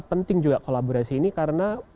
penting juga kolaborasi ini karena